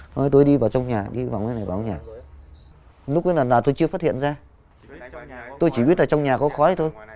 hôm nay tôi đi vào trong nhà đi vào bên này vào trong nhà lúc ấy là tôi chưa phát hiện ra tôi chỉ biết là trong nhà có khói thôi